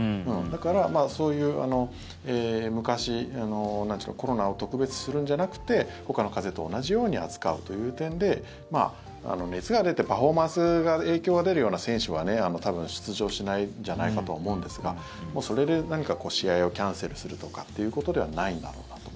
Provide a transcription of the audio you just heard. だから、そういう昔コロナを特別視するんじゃなくてほかの風邪と同じように扱うという点で熱が出て、パフォーマンスに影響が出るような選手は多分出場しないんじゃないかとは思うんですがそれで何か試合をキャンセルするとかということではないんだろうなと。